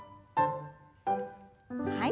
はい。